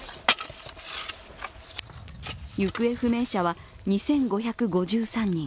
行方不明者は２５５３人。